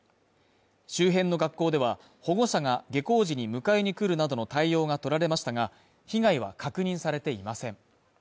周辺の学校では保護者が下校時に迎えにくるなどの対応がとられましたが、被害は確認されていません。